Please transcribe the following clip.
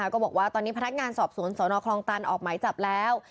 ก็บอกว่าตอนนี้พนักงานสอบสวนสนคลองตันออกหมายจับแล้ว